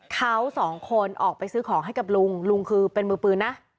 เขาสองคนออกไปซื้อของให้กับลุงลุงคือเป็นมือปืนนะ